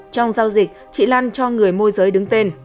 trong giao dịch chị lan cho người môi giới đứng tên